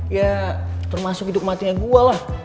ya termasuk hidup matinya gue lah